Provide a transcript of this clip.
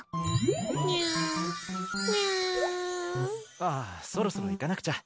ああ、そろそろ行かなくちゃ。